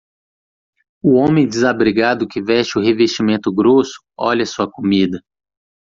O homem desabrigado que veste o revestimento grosso olha sua comida.